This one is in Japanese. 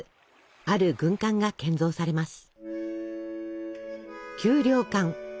ある軍艦が建造されます。